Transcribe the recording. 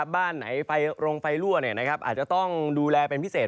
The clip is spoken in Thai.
บ้านไหนโรงไฟรั่วอาจจะต้องดูแลเป็นพิเศษ